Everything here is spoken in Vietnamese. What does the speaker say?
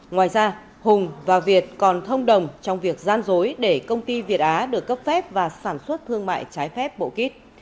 ngoài ra hùng và việt còn thông đồng trong việc gian dối để công ty việt á được cấp phép và sản xuất thương mại trái phép bộ kít